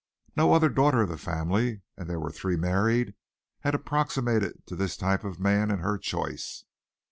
No other daughter of the family, and there were three married, had approximated to this type of man in her choice.